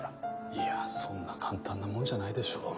いやそんな簡単なもんじゃないでしょう。